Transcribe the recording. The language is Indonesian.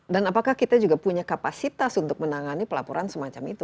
dan apakah kita juga punya kapasitas untuk menangani pelaporan semacam itu